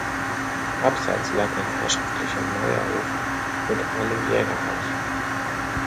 Abseits lag ein herrschaftlicher Meierhof mit einem Jägerhaus.